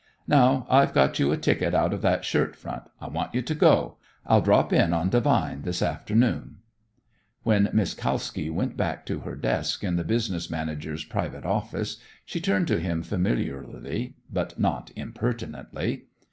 Now I've got you a ticket out of that shirt front, I want you to go. I'll drop in on Devine this afternoon." When Miss Kalski went back to her desk in the business manager's private office, she turned to him familiarly, but not impertinently.